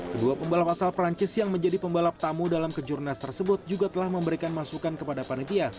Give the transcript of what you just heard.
kedua pembalap asal perancis yang menjadi pembalap tamu dalam kejurnas tersebut juga telah memberikan masukan kepada panitia